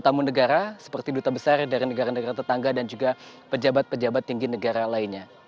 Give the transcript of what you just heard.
tamu negara seperti duta besar dari negara negara tetangga dan juga pejabat pejabat tinggi negara lainnya